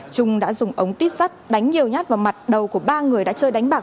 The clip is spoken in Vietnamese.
trung đã dùng ống tuyếp sắt đánh nhiều nhát vào mặt đầu của ba người đã chơi đánh bạc